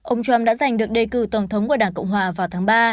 ông trump đã giành được đề cử tổng thống của đảng cộng hòa vào tháng ba